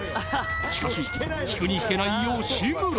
しかし、引くに引けない吉村。